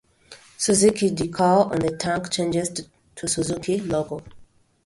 'Suzuki' decal on the tank changes to Suzuki logo.